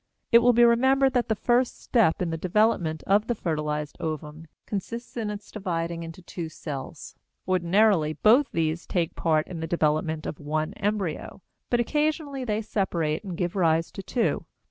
It will be remembered that the first step in the development of the fertilized ovum consists in its dividing into two cells. Ordinarily, both these take part in the development of one embryo, but occasionally they separate and give rise to two.